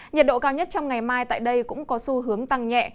nhiệt độ cao nhất trong ngày mai tại đây cũng có xu hướng tăng nhẹ